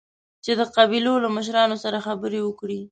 چې د قبيلو له مشرانو سره خبرې وکړي.